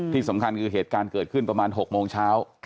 ที่สำคัญคือเหตุการณ์เกิดขึ้นประมาณ๖โมงเช้า